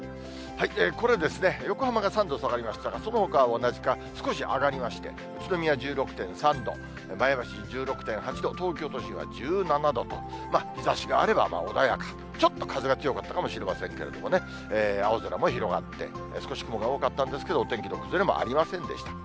これ、横浜が３度下がりましたが、そのほかは同じか、少し上がりまして、宇都宮１６．３度、前橋１６．８度、東京都心は１７度と、日ざしがあれば穏やか、ちょっと風が強かったかもしれませんけどもね、青空も広がって、少し雲が多かったんですけれども、お天気の崩れもありませんでした。